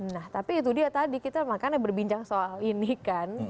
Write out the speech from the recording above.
nah tapi itu dia tadi kita makanya berbincang soal ini kan